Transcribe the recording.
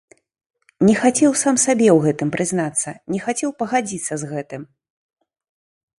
Не хацеў сам сабе ў гэтым прызнацца, не хацеў пагадзіцца з гэтым.